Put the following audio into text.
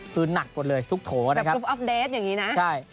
คือหนักหมดเลยทุกโถนะแบบกรุ๊ปออฟเดสอย่างนี้นะใช่